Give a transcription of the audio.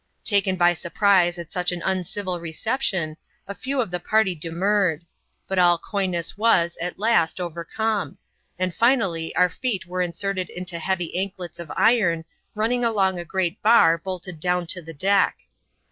Taken by surprise at such an uncivil reception, a few of the party demurred ; but all coyness was, at last, overcome ; and finally our feet were inserted into heavy anklets of iron, run ning along a great bar bolted down to the deck.